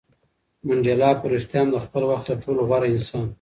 منډېلا په رښتیا هم د خپل وخت تر ټولو غوره انسان و.